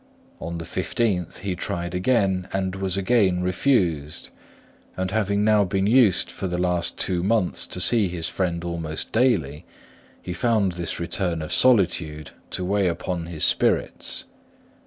On the 15th, he tried again, and was again refused; and having now been used for the last two months to see his friend almost daily, he found this return of solitude to weigh upon his spirits.